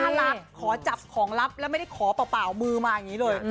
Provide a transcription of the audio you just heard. รักขอจับของลับแล้วไม่ได้ขอเปล่ามือมาอย่างนี้เลย